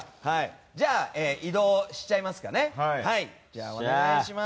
じゃあ移動しちゃいますかね。